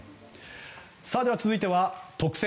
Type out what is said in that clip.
では、続いては特選！！